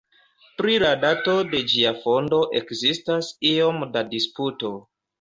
Pri la dato de ĝia fondo ekzistas iom da disputo.